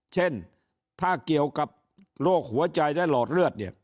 เช่นถ้าเกี่ยวกับโรคหัวใจและหลอดเลือดเนี่ย